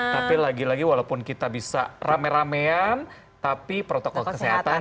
tapi lagi lagi walaupun kita bisa rame ramean tapi protokol kesehatan